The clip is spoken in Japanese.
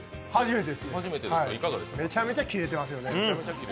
めちゃめちゃキレてますよね。